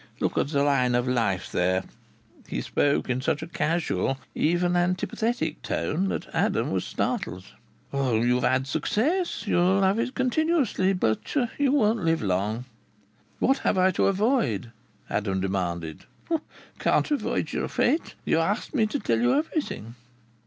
Look at the line of life there." He spoke in such a casual, even antipathetic tone that Adam was startled. "You've had success. You will have it continuously. But you won't live long." "What have I to avoid?" Adam demanded. "Can't avoid your fate. You asked me to tell you everything."